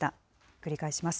繰り返します。